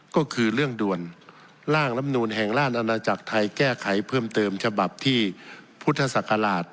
ก็คือเรื่องด่วนร่างลำนูลแห่งราชอาณาจักรไทยแก้ไขเพิ่มเติมฉบับที่พุทธศักราช